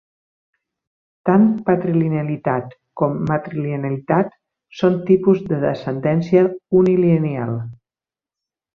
Tant patrilinealitat com matrilinealitat són tipus de descendència unilineal.